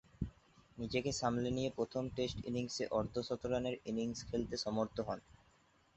নিজেকে সামলে নিয়ে প্রথম টেস্ট ইনিংসে অর্ধ-শতরানের ইনিংস খেলতে সমর্থ হন।